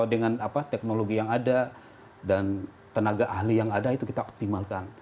dengan teknologi yang ada dan tenaga ahli yang ada itu kita optimalkan